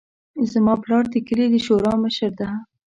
زما پلار د کلي د شورا مشر ده